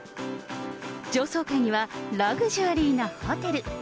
上層階にはラグジュアリーなホテル。